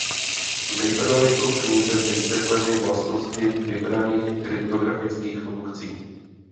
Nejprve jsou v knize vysvětleny vlastnosti vybraných kryptografických funkcí